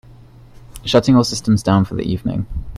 Shutting all systems down for the evening.